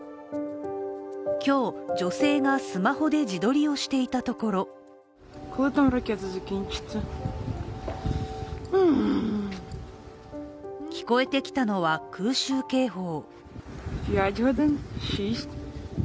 今日、女性がスマホで自撮りをしていたところ聞えてきたのは、空襲警報。